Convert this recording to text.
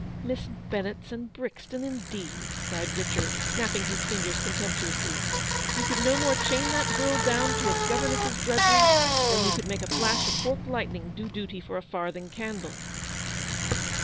Miss Ben nett's and Brixton, indeed !" cried Richard, snapping his fingers contemptuously, " you could no more chain that girl down to a governess's drudgery, than you could make a flash of forked lightning do duty for a farthing candle."'